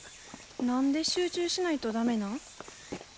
何で集中しないと駄目なん？